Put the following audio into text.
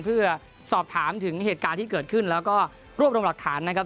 เพื่อสอบถามถึงเหตุการณ์ที่เกิดขึ้นแล้วก็รวบรวมหลักฐานนะครับ